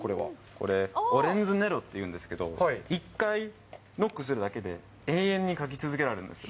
これ、オレンズネロっていうんですけど、一回ノックするだけで、永遠に書き続けられるんです。